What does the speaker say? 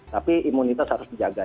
tapi imunitas harus dijaga